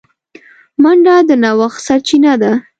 منډه د نوښت سرچینه ده